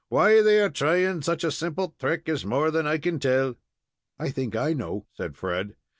Why they are thrying such a simple thrick is more than I can tell." "I think I know," said Fred.